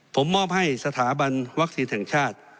ผมมอบให้สถาบันวัคซีนแห่งชาติ